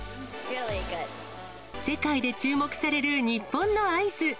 世界で注目される日本のアイス。